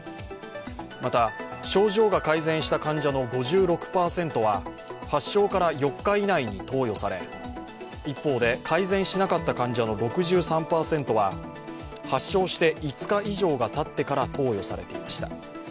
また症状が改善した患者の５６％は発症から４日以内に投与され、一方で、改善しなかった患者の６３％は発症して５日以上がたってから投与されていました。